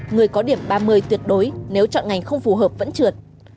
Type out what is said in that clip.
người có điểm ba mươi tuyệt đối nếu chọn ngành không phù hợp vẫn trượt